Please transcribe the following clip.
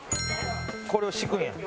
これを敷くんや。